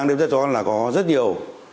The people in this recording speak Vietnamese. điều tra cho rằng là có rất nhiều